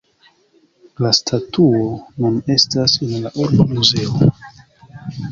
La statuo nun estas en la urba muzeo.